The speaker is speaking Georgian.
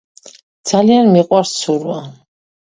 ძალიან მიყვარს ცურვა